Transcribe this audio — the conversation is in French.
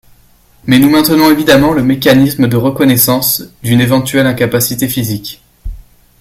Mais nous maintenons évidemment le mécanisme de reconnaissance d’une éventuelle incapacité physique.